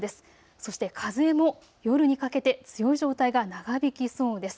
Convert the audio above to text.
そして風も夜にかけて強い状態が長引きそうです。